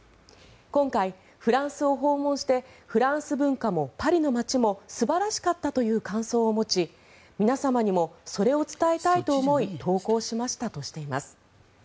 今回、フランスを訪問してフランス文化もパリの街も素晴らしかったという感想を持ち皆様にもそれを伝えたいと思い投稿しましたとしています。